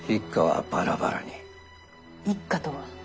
一家とは？